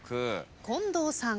近藤さん。